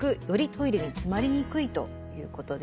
トイレにつまりにくいということです。